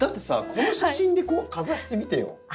この写真にかざしてみてよ。